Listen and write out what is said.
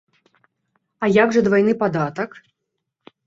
А як жа двайны падатак?